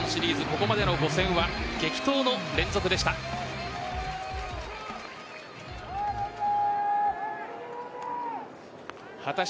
ここまでの５戦は激闘の連続でした。